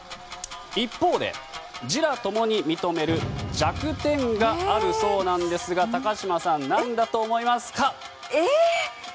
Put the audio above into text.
一方で自他共に認める弱点があるそうなんですが高島さん、何だと思いますか？